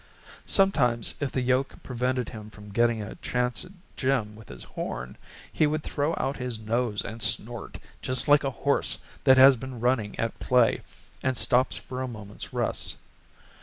Sometimes, if the yoke prevented him from getting a chance at Jim with his horn, he would throw out his nose and snort, just like a horse that has been running at play and stops for a moment's rest.